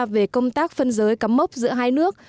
về công tác phân giới cắm mốc giữa hai nước